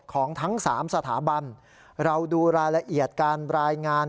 ของทั้งสามสถาบันเราดูรายละเอียดการรายงาน